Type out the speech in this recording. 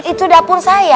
itu dapur saya